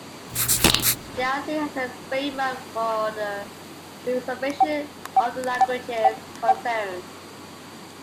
They are seen as a framework for the preservation of the languages concerned.